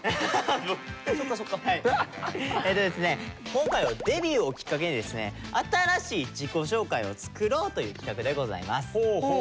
今回はデビューをきっかけにですね新しい自己紹介を作ろうという企画でございます。